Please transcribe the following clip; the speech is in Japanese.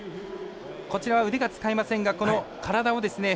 こちらは腕が使えませんが体を。